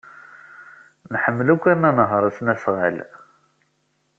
Nḥemmel akk ad nenheṛ asnasɣal.